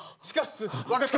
分かった。